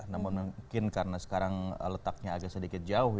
namun mungkin karena sekarang letaknya agak sedikit jauh